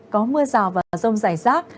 có mưa rào và rông rải rác